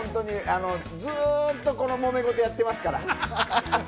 ずっとこのもめ事やってますから。